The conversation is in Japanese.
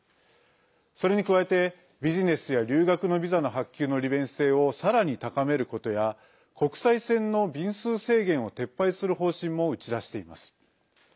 それに加えてビジネスや留学のビザの発給の利便性をさらに高めることや国際線の便数制限を撤廃する方針も打ち出しています。